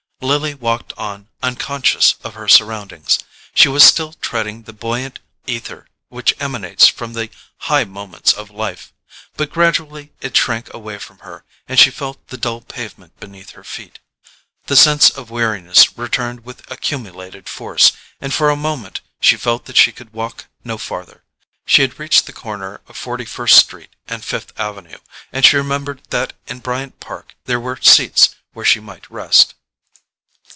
Lily walked on unconscious of her surroundings. She was still treading the buoyant ether which emanates from the high moments of life. But gradually it shrank away from her and she felt the dull pavement beneath her feet. The sense of weariness returned with accumulated force, and for a moment she felt that she could walk no farther. She had reached the corner of Forty first Street and Fifth Avenue, and she remembered that in Bryant Park there were seats where she might rest.